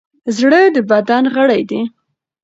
زړه د بدن غړی دی.